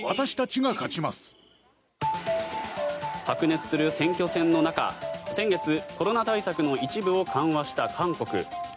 白熱する選挙戦の中先月、コロナ対策の一部を緩和した韓国。